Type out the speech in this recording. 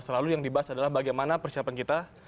selalu yang dibahas adalah bagaimana persiapan kita